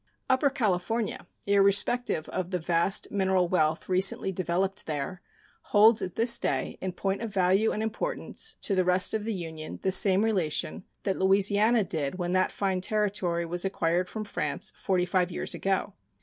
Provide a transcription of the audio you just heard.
Upper California, irrespective of the vast mineral wealth recently developed there, holds at this day, in point of value and importance, to the rest of the Union the same relation that Louisiana did when that fine territory was acquired from France forty five years ago.